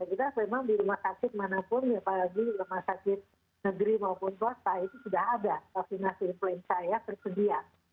kita memang di rumah sakit manapun apalagi rumah sakit negeri maupun swasta itu sudah ada vaksinasi influenza yang tersedia